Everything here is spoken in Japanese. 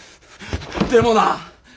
でもな！